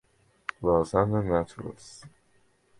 Lausanne naturals.